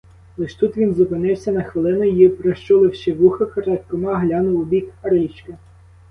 Лиш тут він зупинився на хвилину й, прищуливши вуха, крадькома глянув у бік річки.